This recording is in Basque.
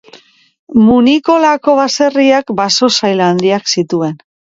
Munikolako baserriak baso sail handiak zituen.